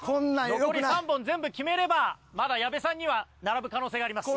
残り３本全部決めればまだ矢部さんには並ぶ可能性があります。